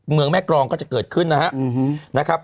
เมืองแม่กรองก็จะเกิดขึ้นนะครับ